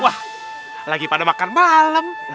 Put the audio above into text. wah lagi pada makan malam